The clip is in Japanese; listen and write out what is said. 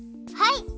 はい！